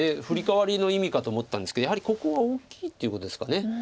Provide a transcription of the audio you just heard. フリカワリの意味かと思ったんですけどやはりここは大きいということですか。